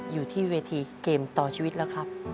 อยู่ที่เวทีเกมต่อชีวิตแล้วครับ